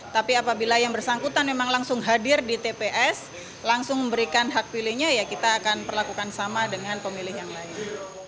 tapi apabila yang bersangkutan memang langsung hadir di tps langsung memberikan hak pilihnya ya kita akan perlakukan sama dengan pemilih yang lain